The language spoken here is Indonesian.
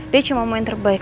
dia cuma mau yang terbaik